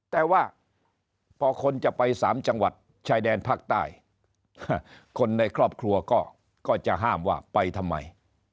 แต่ว่าพอคนจะไป๓จังหวัดชายแดนภาคใต้คนในครอบครัวก็จะห้ามว่าไปทำไม